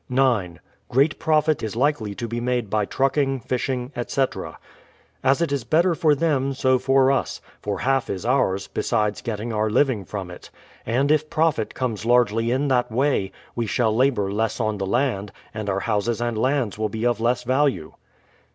g. Great profit is likely to be made by trucking, fishing, etc. :— As it is better for them, so for us ; for half is ours, besides getting our living from it. And if profit comes largely in that way, we shall labour less on the land, and our houses and lands will be of less value.